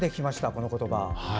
この言葉。